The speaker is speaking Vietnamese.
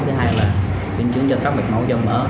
thứ hai là biến chứng do tóc mệt máu dâu mỡ